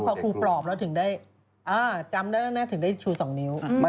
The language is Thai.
ก็คือก็ครูปรอบเราถึงได้จำได้นะถึงได้ชู๒นิ้ว